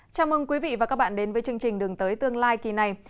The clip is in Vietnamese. chào mừng quý vị và các bạn đến với chương trình đường tới tương lai kỳ này